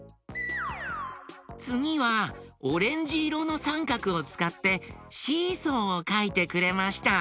つぎはオレンジいろのさんかくをつかってシーソーをかいてくれました。